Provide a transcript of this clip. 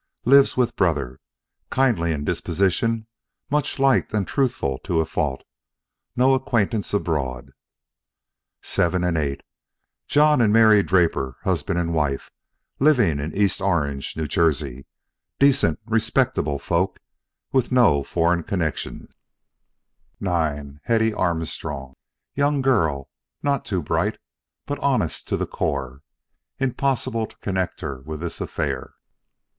Lives with brother. Kindly in disposition, much liked and truthful to a fault. No acquaintance abroad. VII VIII John and Mary Draper, husband and wife, living in East Orange, N. J. Decent, respectable folk with no foreign connections. IX Hetty Armstrong, young girl, none too bright but honest to the core. Impossible to connect her with this affair.